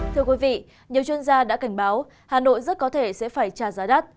thưa quý vị nhiều chuyên gia đã cảnh báo hà nội rất có thể sẽ phải trả giá đắt